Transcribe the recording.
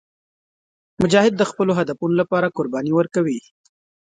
مجاهد د خپلو هدفونو لپاره قرباني ورکوي.